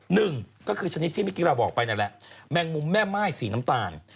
หนึ่งก็คือชนิดที่เมื่อกี้เราบอกไปนั่นแหละแมงมุมแม่ม่ายสีน้ำตาล